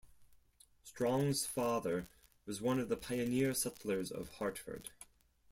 Strong's father was one of the pioneer settlers of Hartford.